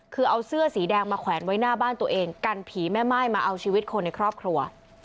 คือเอาเสื้อสีแดงมาแขวนไว้หน้าบ้านตัวเองกันผีแม่ม่ายมาเอาชีวิตคนในครอบครัว